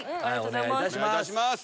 お願いいたします。